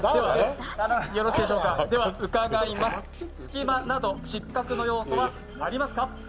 隙間など失格の要素はありますか？